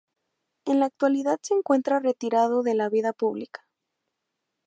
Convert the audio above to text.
En la actualidad se encuentra retirado de la vida pública.